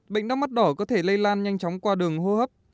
bệnh đau mắt đỏ có thể lây lan nhanh chóng qua đường hô hấp